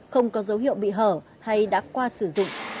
không có dấu hiệu bị hở hay đã qua sử dụng